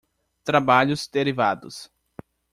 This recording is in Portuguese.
Trabalhos derivados.